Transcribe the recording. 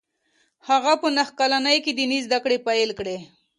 هغه په نهه کلنۍ کې ديني زده کړې پیل کړې